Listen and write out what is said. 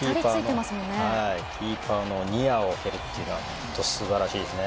キーパーのニアを取るというのは素晴らしいですね。